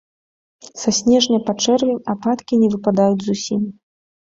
Са снежня па чэрвень ападкі не выпадаюць зусім.